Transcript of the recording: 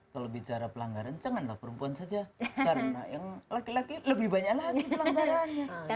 kalau bicara pelanggaran janganlah perempuan saja karena yang laki laki lebih banyak lagi pelanggarannya